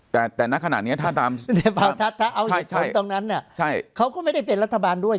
แต่ณขณะนี้ถ้าเอาเหตุผลตรงนั้นเขาก็ไม่ได้เป็นรัฐบาลด้วย